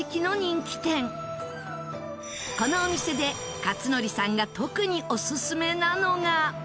このお店で克典さんが特にオススメなのが。